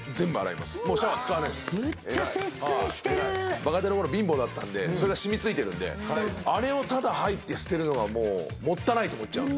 若手のころ貧乏だったんでそれが染みついてるんであれをただ入って捨てるのがもったいないと思っちゃうんで。